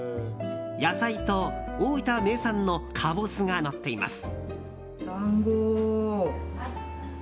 野菜と、大分名産のかぼすがのっています。